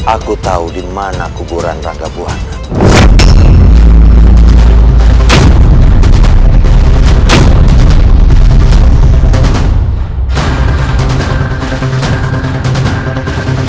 aku tahu di mana kuburan raga buana